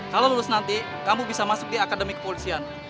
kalau lulus nanti kamu bisa masuk di akademi kepolisian